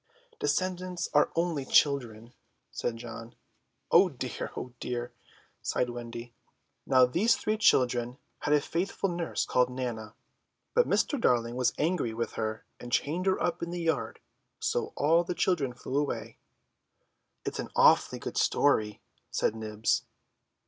"Descendants are only children," said John. "Oh dear, oh dear," sighed Wendy. "Now these three children had a faithful nurse called Nana; but Mr. Darling was angry with her and chained her up in the yard, and so all the children flew away." "It's an awfully good story," said Nibs.